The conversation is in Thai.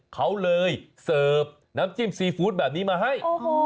เขาเลยเสิร์ฟน้ำจิ้มซีฟู้ดแบบนี้มาให้